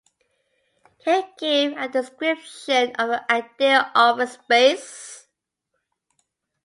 Can you give a description of your ideal office space?